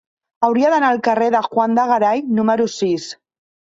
Hauria d'anar al carrer de Juan de Garay número sis.